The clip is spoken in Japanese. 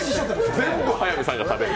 全部早見さんが食べる。